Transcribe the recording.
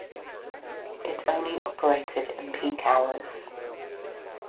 It only operated in peak hours.